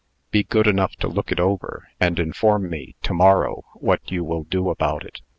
Be good enough to look it over, and inform me, to morrow, what you will do about it.